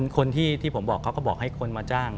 คนที่ผมบอกเขาก็บอกให้คนมาจ้าง